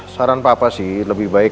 saran papa sih lebih baik